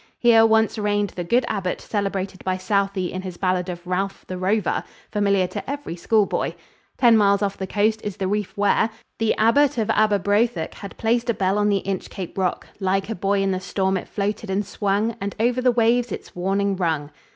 Here once reigned the good abbott celebrated by Southey in his ballad of Ralph the Rover, familiar to every schoolboy. Ten miles off the coast is the reef where "The abbott of Aberbrothok Had placed a bell on the Inchcape rock. Like a buoy in the storm it floated and swung, And over the waves its warning rung."